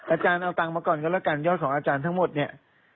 อาจารย์เอาตังค์มาก่อนก็แล้วกันยอดของอาจารย์ทั้งหมดเนี่ย